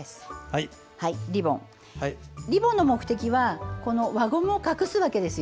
リボンの目的は輪ゴムを隠すわけですよ。